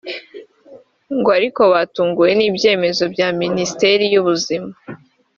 ngo ariko batunguwe n’ibyemezo bya Minisiteri y’Ubuzima